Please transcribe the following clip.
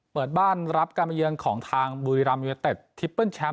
เปิดบ้านรับการมาเยือนของทางบุรีรัมยูเนเต็ดทิปเปิ้ลแชมป